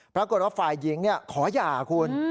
ปรากฏว่าฝ่ายหญิงขอหย่าคุณ